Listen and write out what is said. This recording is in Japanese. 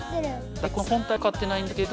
大根の本体は光ってないんだけど。